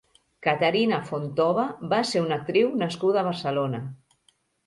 Caterina Fontova va ser una actriu nascuda a Barcelona.